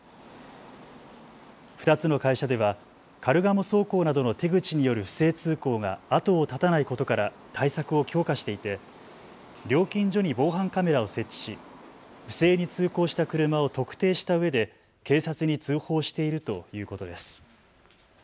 ２つの会社ではカルガモ走行などの手口による不正通行が後を絶たないことから対策を強化していて料金所に防犯カメラを設置し不正に通行した車を特定したうえで警察に通報しているということです。